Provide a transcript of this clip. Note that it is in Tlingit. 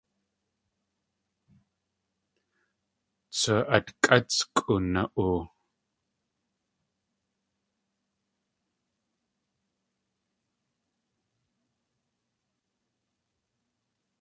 Tsu atkʼátskʼu na.oo!